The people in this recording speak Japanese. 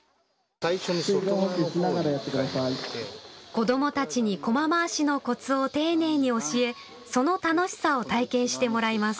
子どもたちにこま回しのコツを丁寧に教えその楽しさを体験してもらいます。